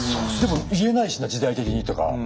でも言えないしな時代的にとか。